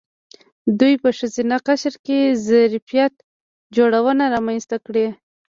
دوی په ښځینه قشر کې ظرفیت جوړونه رامنځته کړې.